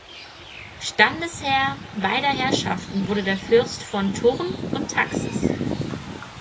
Standesherr beider Herrschaften wurde der Fürst von Thurn und Taxis.